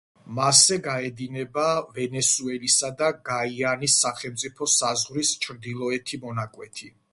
მასზე გაედინება ვენესუელისა და გაიანის სახელმწიფო საზღვრის ჩრდილოეთი მონაკვეთი.